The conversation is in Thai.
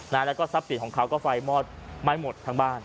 แล้วสรรพสิทธิ์เขาก็ไฟหมอดไม่หมดทั้งบ้าน